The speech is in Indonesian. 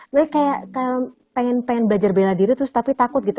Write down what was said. mereka kayak pengen belajar bela diri terus tapi takut gitu